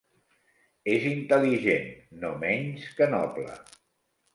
És intel·ligent no menys que noble.